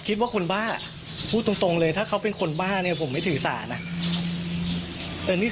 ก็เรียกว่าคนบ้าถ้าเขาเป็นคนบ้าผมก็ไม่ถือสาร